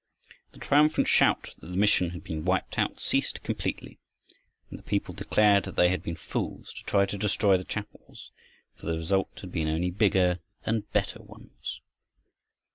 The triumphant shout that the mission had been wiped out ceased completely, and the people declared that they had been fools to try to destroy the chapels, for the result had been only bigger and better ones.